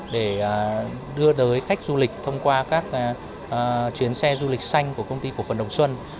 để đưa tới khách du lịch thông qua các chuyến xe du lịch xanh của công ty cổ phần đồng xuân